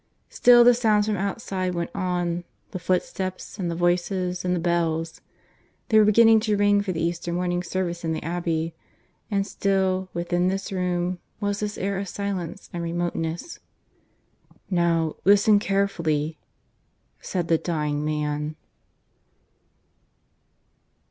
Still the sounds from outside went on the footsteps and the voices and the bells. They were beginning to ring for the Easter morning service in the Abbey; and still, within this room, was this air of silence and remoteness. "Now, listen carefully," said the dying man.